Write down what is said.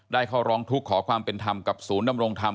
เข้าร้องทุกข์ขอความเป็นธรรมกับศูนย์ดำรงธรรม